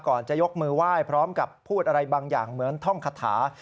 จะยกมือไหว้พร้อมกับพูดอะไรบางอย่างเหมือนท่องคาถา